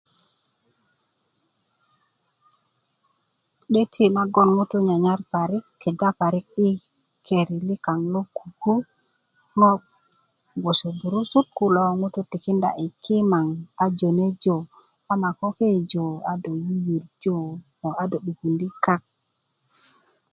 'döti na goŋ ŋutuu nyarnyar parik na kega pirik i keri likaŋ lo kuku ŋo gboso 'burusut kulo ŋutu' tikinda i kimaŋ a jonejo ama ko ke' jo a do yurjiyurjö a do dukundi' kak